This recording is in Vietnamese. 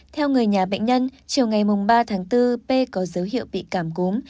theo người nhà bệnh nhân chiều ngày ba tháng bốn p có dấu hiệu bị cảm gốm